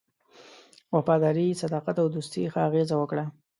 وفاداري، صداقت او دوستی ښه اغېزه وکړه.